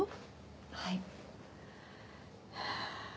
はい。